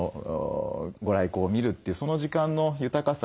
ご来光を見るというその時間の豊かさ